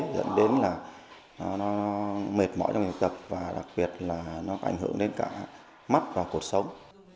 dẫn đến là nó mệt mỏi trong học tập và đặc biệt là nó ảnh hưởng đến cả mắt và cuộc sống